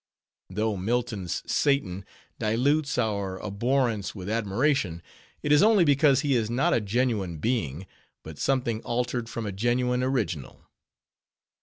Though Milton's Satan dilutes our abhorrence with admiration, it is only because he is not a genuine being, but something altered from a genuine original.